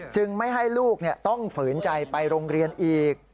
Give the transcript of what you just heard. ไม่ให้ลูกต้องฝืนใจไปโรงเรียนอีก